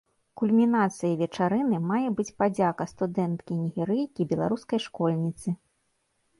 Кульмінацыяй вечарыны мае быць падзяка студэнткі-нігерыйкі беларускай школьніцы.